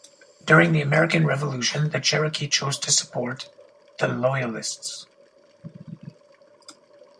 During the American Revolution the Cherokee chose to support the loyalists.